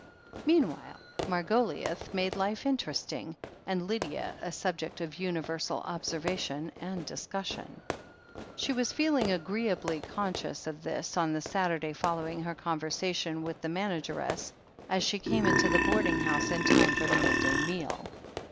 Meanwhile, Margoliouth made life interesting, and Lydia a subject of universal observation and discus sion. She was feeling agreeably conscious of this on the Saturday following her conversation with the mana 175 176 THE HEEL OF ACHILLES geress, as she came into the boarding house in time for the midday meal.